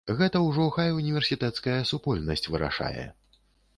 Гэта ўжо хай універсітэцкая супольнасць вырашае.